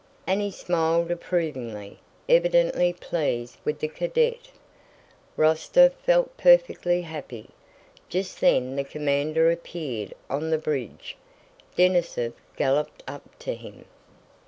And he smiled approvingly, evidently pleased with the cadet. Rostóv felt perfectly happy. Just then the commander appeared on the bridge. Denísov galloped up to him.